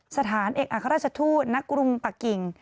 สถานเอกอัครราชทูตณกรุงปะกิ่ง